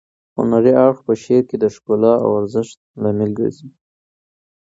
هنري اړخ په شعر کې د ښکلا او ارزښت لامل ګرځي.